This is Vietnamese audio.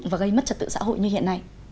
và gây mất trật tự xã hội như hiện nay